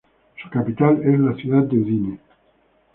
Su capital es la ciudad de Udine.